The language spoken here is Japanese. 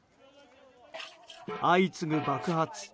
相次ぐ爆発。